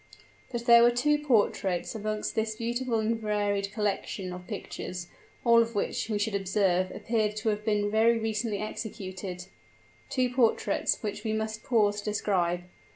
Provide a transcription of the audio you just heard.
But there were two portraits amongst this beautiful and varied collection of pictures, all of which, we should observe, appeared to have been very recently executed two portraits which we must pause to describe.